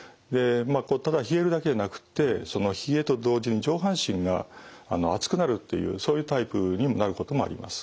ただ冷えるだけでなくって冷えと同時に上半身が熱くなるっていうそういうタイプになることもあります。